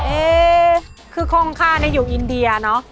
เอ๊คือคงคาอยู่อินเดียเนอะ